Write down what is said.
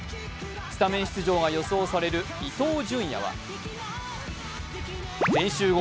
スタメン出場が予想される伊東純也は練習後